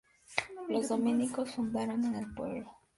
Los Dominicos fundaron el pueblo.